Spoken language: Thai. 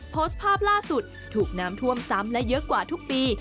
โพสต์ภาพล่าสุดถูกน้ำท่วมซ้ำและเยอะกว่าทุกปี